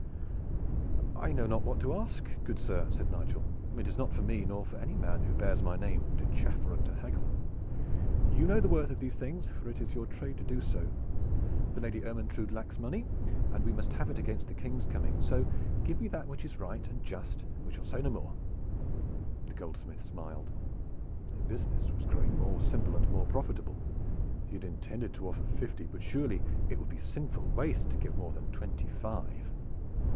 "I know not what to ask, good sir," said Nigel. "It is not for me, nor for any man who bears my name, to chaffer and to haggle. You know the worth of these things, for it is your trade to do so. The Lady Ermyntrude lacks money, and we must have it against the King's coming, so give me that which is right and just, and we will say no more." The goldsmith smiled. The business was growing more simple and more profitable. He had intended to offer fifty, but surely it would be sinful waste to give more than twenty five.